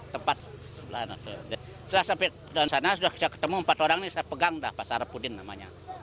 setelah sampai di sana sudah ketemu empat orang yang saya pegang pak sarapudin namanya